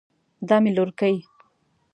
دا مې لورکۍ